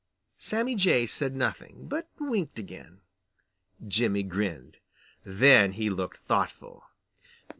Sammy Jay said nothing, but winked again. Jimmy grinned. Then he looked thoughtful.